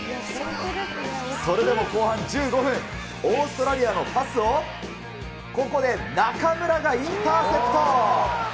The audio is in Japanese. それでも後半１５分、オーストラリアのパスを、ここで中村がインターセプト。